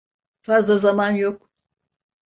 Fazla zaman yok.